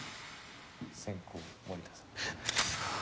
・先攻森田さん・はぁ。